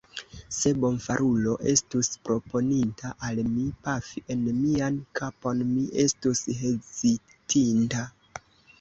Se bonfarulo estus proponinta al mi, pafi en mian kapon, mi estus hezitinta.